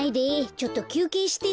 ちょっときゅうけいしててよ。